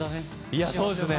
いや、そうですね。